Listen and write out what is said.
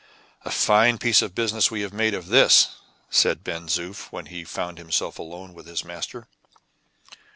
"A fine piece of business we have made of this!" said Ben Zoof, when he found himself alone with his master.